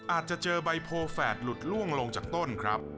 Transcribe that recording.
อาจจะเจอใบโพแฝดหลุดล่วงลงจากต้นครับ